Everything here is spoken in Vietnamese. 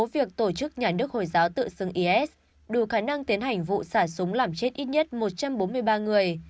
việc tổ chức nhà nước hồi giáo tự xưng is đủ khả năng tiến hành vụ xả súng làm chết ít nhất một trăm bốn mươi ba người